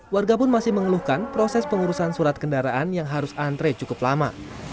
warga pun masih mengeluhkan proses pengurusan surat kendaraan yang harus antre cukup lama